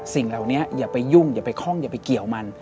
สิ่งเหล่านี้อย่าไปยุ่งอย่าไปคล่องอย่าไปเกี่ยวมัน